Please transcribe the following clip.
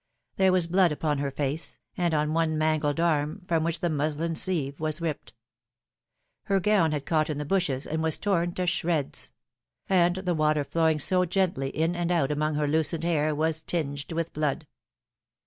There was blood upon her face, and on one mangled arm, from which the muslin sleeve was ripped. Her gown had caught in the bushes, and was torn to shreds ; and the water flowing so gently in and out among her loosened hair was tinged with blood.